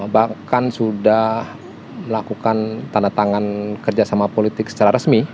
bahkan sudah melakukan tanda tangan kerjasama politik secara resmi